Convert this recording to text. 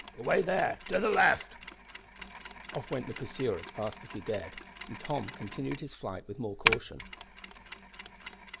"Away there to the left!" Off went the pursuer as fast as he dared, and Tom continued his flight with more caution.